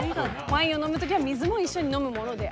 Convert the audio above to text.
ワインを飲む時は水も一緒に飲むものであると。